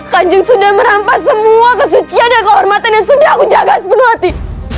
kanjeng sudah merampas semua kesucian dan kehormatan yang sudah aku jaga sepenuh hati